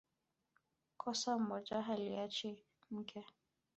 Kosa moja haliachi mke